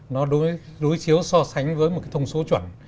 nó đối chiếu so sánh với một cái thông số chuẩn